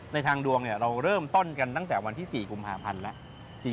ทางดวงเราเริ่มต้นกันตั้งแต่วันที่๔กุมภาพันธ์แล้ว